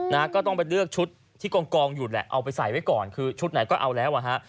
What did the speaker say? นะฮะก็ต้องไปเลือกชุดที่กองกองอยู่แหละเอาไปใส่ไว้ก่อนคือชุดไหนก็เอาแล้วอ่ะฮะ